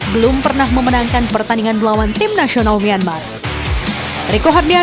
belum pernah memenangkan pertandingan melawan tim nasional myanmar